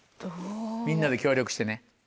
みんなで協力してね。